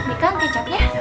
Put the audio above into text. nih kang kecap ya